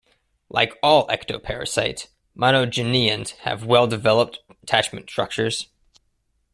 Like all ectoparasites, monogeneans have well-developed attachment structures.